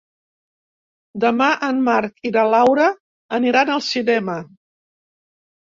Demà en Marc i na Laura aniran al cinema.